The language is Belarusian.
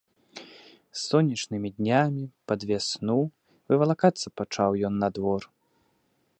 Сонечнымі днямі, пад вясну, вывалакацца пачаў ён на двор.